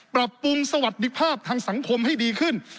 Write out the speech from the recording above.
ปรับปรุงสวัสดิภาพทางสังคมให้ดีขึ้น